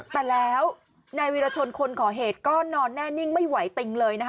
แต่แล้วนายวิรชนคนก่อเหตุก็นอนแน่นิ่งไม่ไหวติงเลยนะคะ